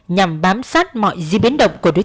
nhằm bám sát mọi di biến động của đối tượng